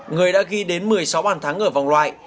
người đã ghi đến một mươi sáu bàn thắng ở vòng loại